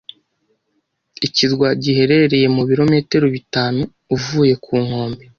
Ikirwa giherereye mu birometero bitanu uvuye ku nkombe.